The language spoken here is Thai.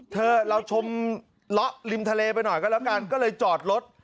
เธอเราชมเหลาะริมทะเลไปหน่อยก็เลยจอดรถ